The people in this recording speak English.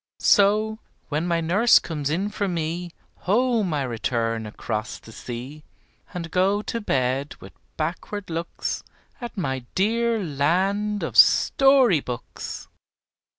So, when my nurse comes in for me, Home I return across the sea, And go to bed with backward looks At my dear land of Story books.